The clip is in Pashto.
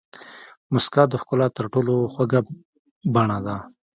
موسکا د ښکلا تر ټولو خوږه بڼه ده.